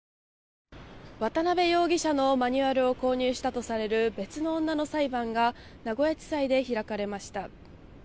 渡邊容疑者のマニュアルを購入したとされる別の女の裁判が名古屋地裁で開かれました。